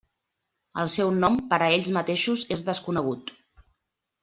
El seu nom per a ells mateixos és desconegut.